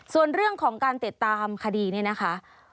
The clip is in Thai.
ส่วนเรื่องของการติดตามคดีเนี่ยนะคะ